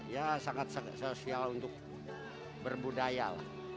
ya sangat sosial untuk berbudaya lah